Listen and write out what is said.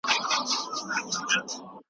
ماشومانو ته بايد د علم ارزښت وښودل سي.